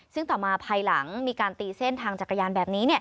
ซึ่งต่อมาภายหลังมีการตีเส้นทางจักรยานแบบนี้